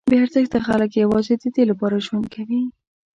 بې ارزښته خلک یوازې ددې لپاره ژوند کوي.